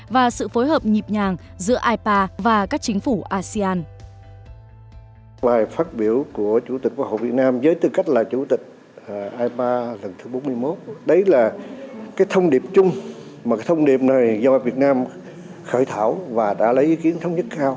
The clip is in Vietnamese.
và sự phối hợp nhịp nhàng giữa ipa và các chính phủ asean